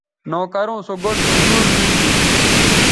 نوکروں سو گوٹھ نودور نیگی